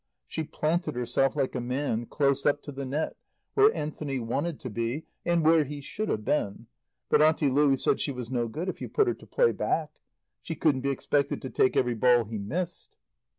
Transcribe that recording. She planted herself, like a man, close up to the net, where Anthony wanted to be, and where he should have been; but Auntie Louie said she was no good if you put her to play back; she couldn't be expected to take every ball he missed.